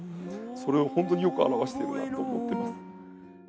それを本当によく表しているなと思ってます。